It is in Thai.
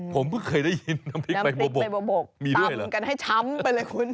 ผมเมื่อเคยได้ยินน้ำพริกใบบัวบกมีด้วยหรอกืนกันให้ช้ำไปเลยคุณ